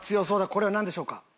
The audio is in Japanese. これはなんでしょうか？